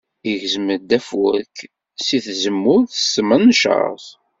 Igzem-d afurek seg tzemmurt s tmenčart.